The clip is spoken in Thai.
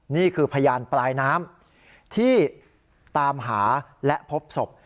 นี่คือพยานปลายน้ำที่ตามหาและพบศพ